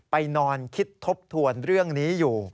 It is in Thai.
ไปนอนคิดทบทวนเรื่องนี้อยู่